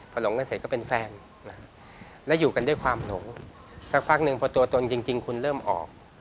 พอหลงกันเสร็จก็เป็นแฟนแล้วอยู่กันด้วยความหลงสักพักหนึ่งพอตัวตนจริงคุณเริ่มออก